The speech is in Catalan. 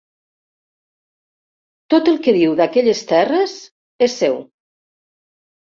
Tot el que diu d'aquelles terres és seu.